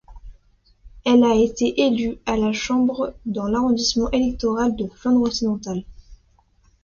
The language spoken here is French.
Elle a été élue à la Chambre dans l'arrondissement électoral de Flandre-Occidentale.